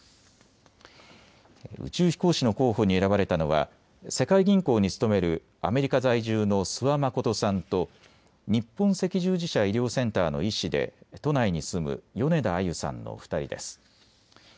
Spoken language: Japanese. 宇宙飛行士の候補に選ばれたのは世界銀行に勤めるアメリカ在住の諏訪理さんと日本赤十字社医療センターの医師で都内に住む米田あゆさんの２人です。